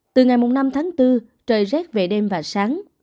từ ngày năm tháng bốn trời rét về đêm và sáng